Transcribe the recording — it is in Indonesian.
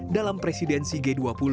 dalam presidensi g dua puluh